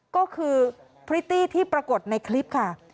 ก็คือพริตตี้ที่ปรากฏในคลิปค่ะ